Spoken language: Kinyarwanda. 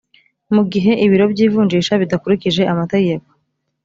mu gihe ibiro by’ivunjisha bidakurikije amategeko